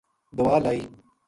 دوا لائی